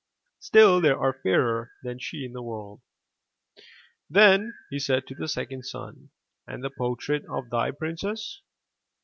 Still there are fairer than she in the world.*' Then he said to his second son: And the portrait of thy princess?